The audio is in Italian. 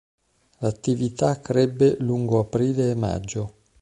L'attività crebbe lungo aprile e maggio.